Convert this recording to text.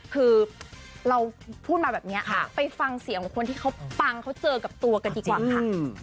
คือเราพูดมาแบบนี้ไปฟังเสียงของคนที่เขาปังเขาเจอกับตัวกันดีกว่าค่ะ